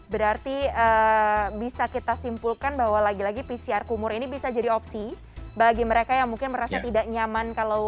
berarti bisa kita simpulkan bahwa lagi lagi pcr kumur ini bisa jadi opsi bagi mereka yang mungkin merasa tidak nyaman kalau